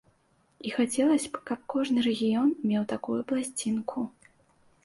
І хацелася б, каб кожны рэгіён меў такую пласцінку.